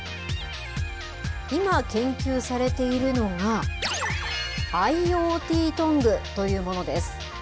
今、研究されているのが、ＩｏＴトングというものです。